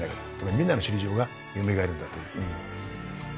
みんなの首里城がよみがえるんだと。